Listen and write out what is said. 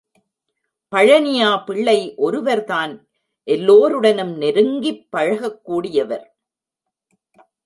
பழனியா பிள்ளை ஒருவர் தான் எல்லோருடனும் நெருங்கிப் பழகக் கூடியவர்.